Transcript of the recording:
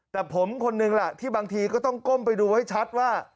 แต่ผมคนนึงล่ะที่บางทีก็ต้องก้มไปดูให้ชัดว่า